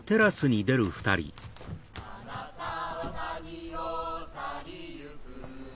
あなたは谷を去り行く